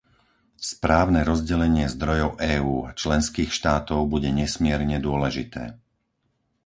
Správne rozdelenie zdrojov EÚ a členských štátov bude nesmierne dôležité.